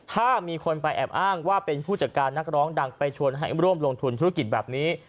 ถ้ามีคนไปแอบอ้างว่าเป็นผู้จัดการนักร้องดังไปชวนให้ร่วมลงทุนธุรกิจแบบนี้